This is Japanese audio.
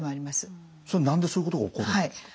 それ何でそういうことが起こるんですか？